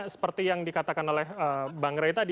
seperti yang dikatakan oleh bang ray tadi